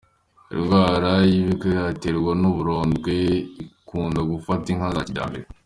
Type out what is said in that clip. Indwara y’ikibagarira iterwa n’uburondwe, ikunda gufata inka za kijyambere.